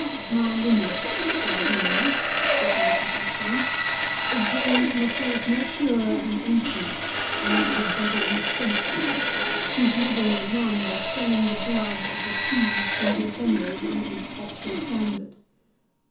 "My lineage, proud Norman," replied Athelstane, "is drawn from a source more pure and ancient than that of a beggarly Frenchman, whose living is won by selling the blood of the thieves whom he assembles under his paltry standard.